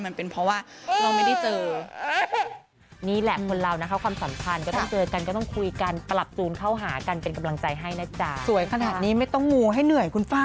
มันเป็นเพราะว่าเราไม่ได้เจอ